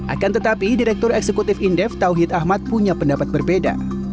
akan tetapi direktur eksekutif indef tauhid ahmad punya pendapat berbeda